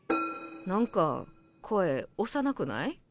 何か声幼くない？